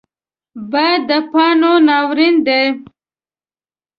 باد د پاڼو ناورین دی